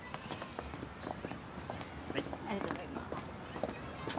ありがとうございます。